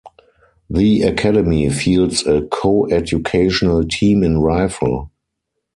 The Academy fields a coeducational team in rifle.